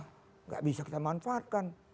tidak bisa kita manfaatkan